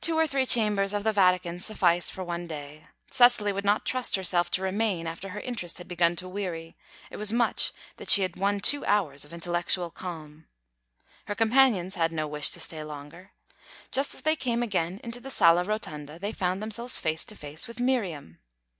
Two or three chambers of the Vatican sufficed for one day. Cecily would not trust herself to remain after her interest had begun to weary; it was much that she had won two hours of intellectual calm. Her companions had no wish to stay longer. Just as they came again into the Sala Rotonda, they found themselves face to face with Miriam.